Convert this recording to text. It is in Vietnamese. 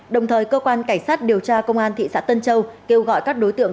đồng thời cơ quan cảnh sát điều tra công an thị xã tân châu kêu gọi các đối tượng